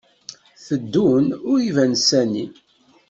Teddun ur iban sani.